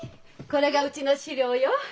これがうちの資料よ。